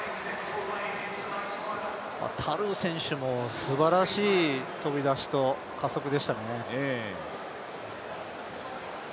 タルー選手もすばらしい飛び出しと加速でしたね。